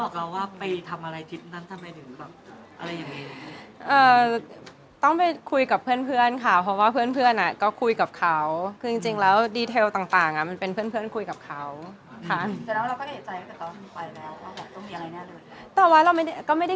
ก็บอกเราว่าไปทำที่นั้นทำไมดิ